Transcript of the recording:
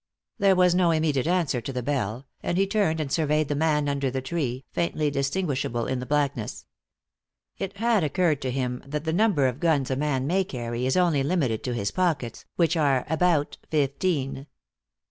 There was no immediate answer to the bell, and he turned and surveyed the man under the tree, faintly distinguishable in the blackness. It had occurred to him that the number of guns a man may carry is only limited to his pockets, which are about fifteen.